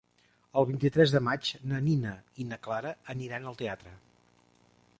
El vint-i-tres de maig na Nina i na Clara aniran al teatre.